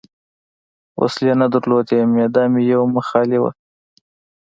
وسلې نه درلودې، معده مې یو مخ خالي وه.